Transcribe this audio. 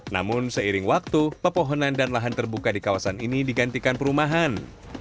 namun seiring waktu pepohonan dan lahan terbuka di kawasan ini digantikan perumahan